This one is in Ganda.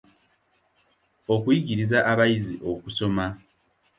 Okuyigiriza abayizi okusoma.